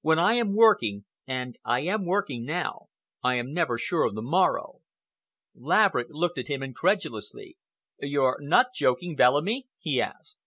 When I am working—and I am working now—I am never sure of the morrow." Laverick looked at him incredulously. "You're not joking, Bellamy?" he asked.